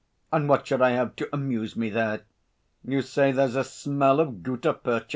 And what should I have to amuse me there?... You say there's a smell of gutta percha?